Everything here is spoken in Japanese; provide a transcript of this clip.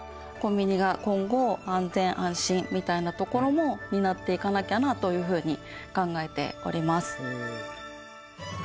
コンビニが今後安全安心みたいなところも担っていかなきゃなというふうに考えております。